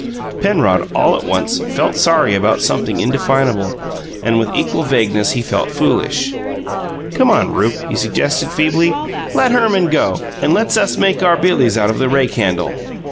Penrod, all at once, felt sorry about something indefinable; and, with equal vagueness, he felt foolish. "Come on, Rupe," he suggested, feebly, "let Herman go, and let's us make our billies out of the rake handle."